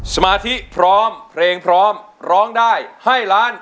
สมาธิพร้อมเพลงพร้อมร้องได้ให้ล้าน